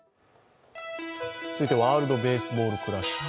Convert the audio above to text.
続いてワールドベースボールクラシック。